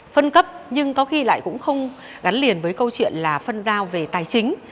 phân cấp nhưng có khi lại cũng không gắn liền với câu chuyện là phân giao về tài chính